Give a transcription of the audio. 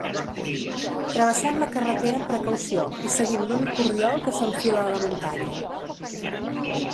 Travessem la carretera amb precaució i seguim l'únic corriol que s'enfila a la muntanya.